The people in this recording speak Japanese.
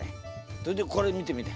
それでこれ見てみて。